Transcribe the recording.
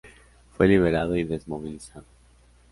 Fue liberado y desmovilizado.